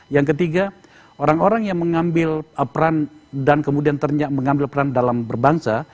yang ketiga orang orang yang mengambil peran dan kemudian mengambil peran dalam berbangsa